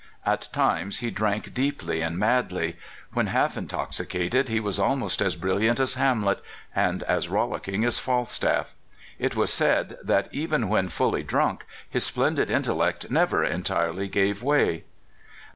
At times he drank deeply and madly. When half intoxi cated he was almost as brilliant as Hamlet, and as rollicking as Falstaff . It was said that even when fully drunk his splendid intellect never entirely gave wa}'.